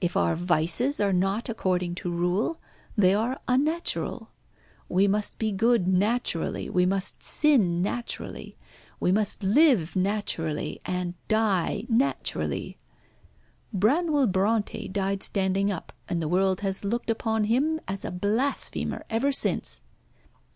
If our vices are not according to rule, they are unnatural. We must be good naturally. We must sin naturally. We must live naturally, and die naturally. Branwell Brontë died standing up, and the world has looked upon him as a blasphemer ever since.